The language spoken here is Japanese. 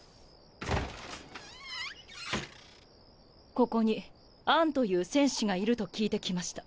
ここにアンという戦士がいると聞いて来ました。